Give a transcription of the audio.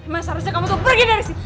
masa harusnya kamu tuh pergi dari situ